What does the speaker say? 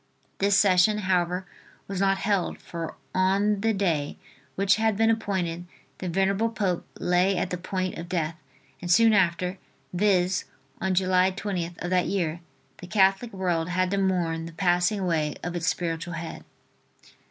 This session, however, was not held, for on the day which had been appointed the venerable pope lay at the point of death and soon after, viz., on July 20th, of that year, the Catholic world had to mourn the passing away of its spiritual head.